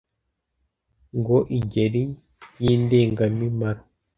Ngo Ingeri y' Indengamimaro